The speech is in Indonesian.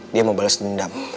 dia mau bales dendam